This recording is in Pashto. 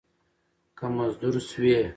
که مزدور شوې